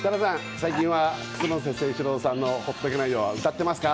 最近は、楠瀬誠志郎さんの「ほっとけないよ」は歌っていますか？